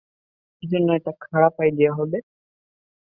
কি জন্য এটা খারাপ আইডিয়া হবে?